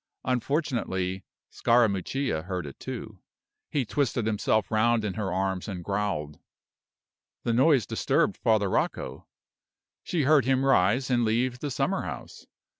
Unfortunately, Scarammuccia heard it too. He twisted himself round in her arms and growled. The noise disturbed Father Rocco. She heard him rise and leave the summer house.